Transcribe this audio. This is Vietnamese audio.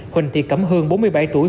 huỳnh thị cấm hương bốn mươi bốn tuổi